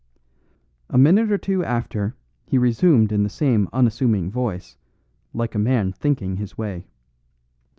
A minute or two after he resumed in the same unassuming voice, like a man thinking his way.